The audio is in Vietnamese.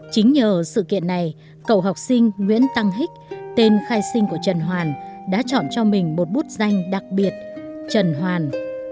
chính nhờ sự kiện này cậu học sinh nguyễn tăng hích tên khai sinh của trần hoàn đã chọn cho mình một bút danh đặc biệt trần hoàn